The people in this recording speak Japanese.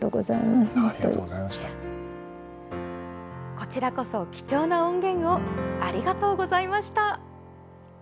こちらこそ、貴重な音源をありがとうございました！